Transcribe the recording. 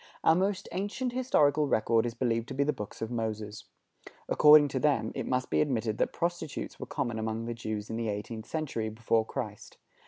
Our most ancient historical record is believed to be the Books of Moses. According to them, it must be admitted that prostitutes were common among the Jews in the eighteenth century before Christ.